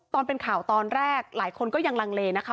ตอนเป็นข่าวตอนแรกหลายคนก็ยังลังเลนะคะ